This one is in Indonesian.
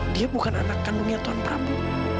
dia bukan anak kandungnya tuhan prabu